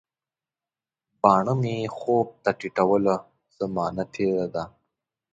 باڼه مي خوب ته ټیټوله، زمانه تیره ده